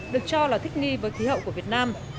được cho là thích nghi với khí hậu của việt nam